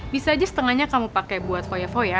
bisa aja setengahnya kamu pakai buat foya foya